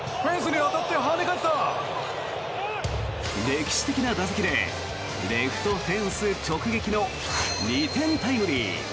歴史的な打席でレフトフェンス直撃の２点タイムリー。